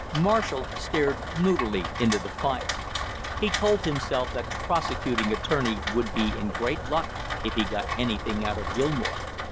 Marshall stared moodily into the fire. He told himself that the prosecuting attorney would be in great luck if he got anything out of Gilmore.